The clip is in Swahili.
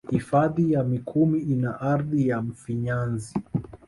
Hifadhi ya mikumi ina ardhi ya mfinyanzi